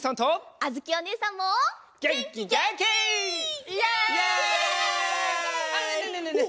あっねえねえねえねえ。